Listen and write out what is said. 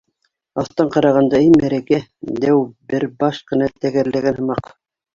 Аҫтан ҡарағанда эй мәрәкә: дәү бер баш ҡына тәгәрләгән һымаҡ.